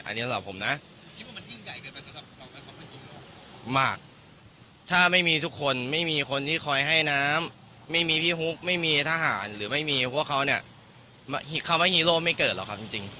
อันนี้สำหรับผมนะคิดว่ามันยิ่งใหญ่แก่เกินไปสำหรับ